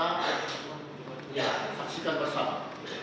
ya saksikan bersama